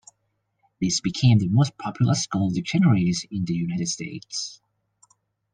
These became the most popular school dictionaries in the United States.